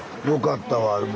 よかったわ。